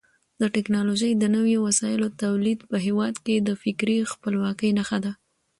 د ټکنالوژۍ د نویو وسایلو تولید په هېواد کې د فکري خپلواکۍ نښه ده.